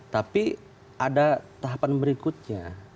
tapi ada tahapan berikutnya